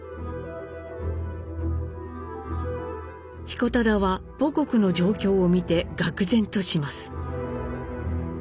彦忠は母国の状況を見てがく然とします。